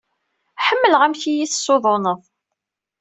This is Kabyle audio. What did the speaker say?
Ḥemmleɣ amek i yi-tessuduneḍ.